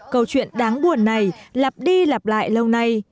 câu chuyện đáng buồn này lặp đi lặp lại lâu nay